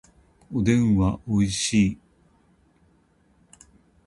おでんはおいしい